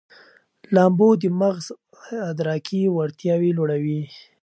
لامبو د مغز ادراکي وړتیاوې لوړوي.